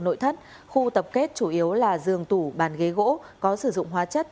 nội thất khu tập kết chủ yếu là giường tủ bàn ghế gỗ có sử dụng hóa chất